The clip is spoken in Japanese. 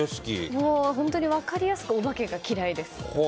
本当に分かりやすくお化けが嫌いです。